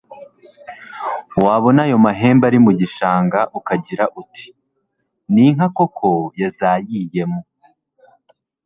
wabona ayo mahembe ari mu gishanga ukagira uti ni inka koko yazayiyemo